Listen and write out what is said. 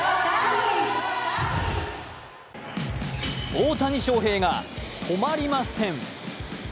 大谷翔平が止まりません。